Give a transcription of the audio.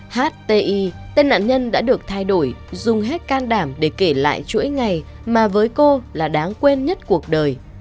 h t i tên nạn nhân đã được thay đổi dùng hết can đảm để kể lại chuỗi ngày mà với cô là đáng quên nhất cuộc đời